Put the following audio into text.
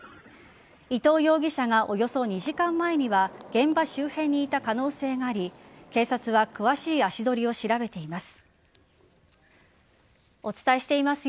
伊藤容疑者がおよそ２時間前には現場周辺にいた可能性があり警察は詳しい足取りを調べています。